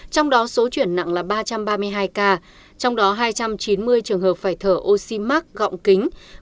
trong đó số chuyển nặng là ba trăm ba mươi hai ca trong đó hai trăm chín mươi trường hợp phải thở oxy mắc gọng kính